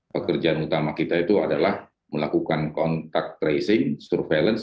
pekerjaan utama kita itu adalah melakukan kontak tracing surveillance yang tidak boleh berhenti di setiap daerah